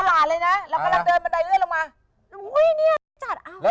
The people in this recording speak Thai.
แล้วกำลังเดินบันดาลเลื่อนลงมา